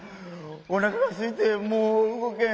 おなかがすいてもううごけん。